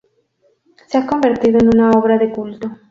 Se ha convertido en una obra de culto.